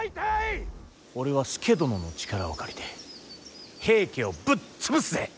俺は佐殿の力を借りて平家をぶっ潰すぜ。